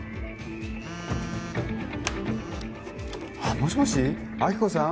もしもし亜希子さん